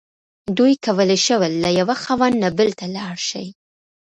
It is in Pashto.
دوی کولی شول له یوه خاوند نه بل ته لاړ شي.